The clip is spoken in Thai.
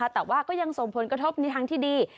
แต่ว่าก็ยังส่งผลกระทบในทางที่ดี